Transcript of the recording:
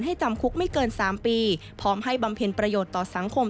จำคุกไม่เกิน๓ปีพร้อมให้บำเพ็ญประโยชน์ต่อสังคม